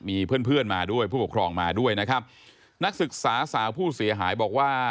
มีเพื่อนเพื่อนมาด้วยผู้ปกครองมาด้วยนะครับนักศึกษาสาวผู้เสียหายบอกว่า